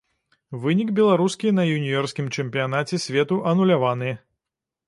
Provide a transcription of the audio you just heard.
Вынік беларускі на юніёрскім чэмпіянаце свету ануляваны.